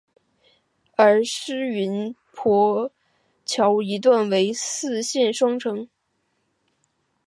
而师云砵桥一段为四线双程。